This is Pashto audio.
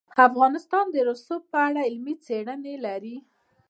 افغانستان د رسوب په اړه علمي څېړنې لري.